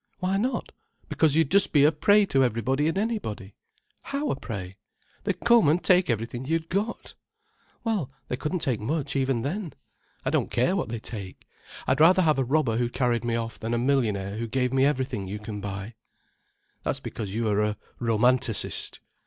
"Why not?" "Because you'd just be a prey to everybody and anybody." "How a prey?" "They'd come and take everything you'd got." "Well, they couldn't take much even then. I don't care what they take. I'd rather have a robber who carried me off than a millionaire who gave me everything you can buy." "That's because you are a romanticist."